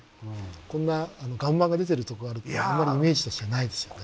こんな岩盤が出てるとこがあるってあんまりイメージとしてはないですよね。